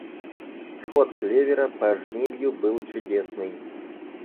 Всход клевера по жнивью был чудесный.